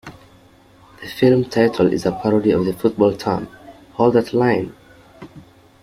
The film title is a parody of the football term, Hold that line!